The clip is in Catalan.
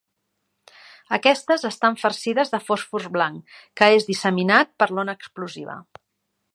Aquestes estan farcides de fòsfor blanc, que és disseminat per l'ona explosiva.